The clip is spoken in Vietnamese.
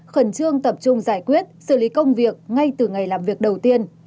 khẩn trương tập trung giải quyết xử lý công việc ngay từ ngày làm việc đầu tiên